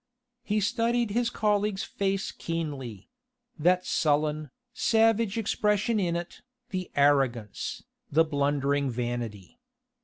He studied his colleague's face keenly that sullen, savage expression in it, the arrogance, the blundering vanity.